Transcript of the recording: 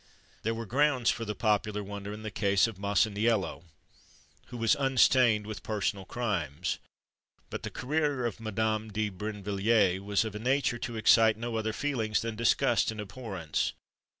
There were grounds for the popular wonder in the case of Masaniello, who was unstained with personal crimes. But the career of Madame de Brinvilliers was of a nature to excite no other feelings than disgust and abhorrence.